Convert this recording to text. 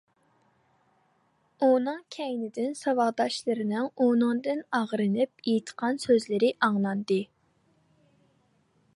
ئۇنىڭ كەينىدىن ساۋاقداشلىرىنىڭ ئۇنىڭدىن ئاغرىنىپ ئېيتقان سۆزلىرى ئاڭلاندى.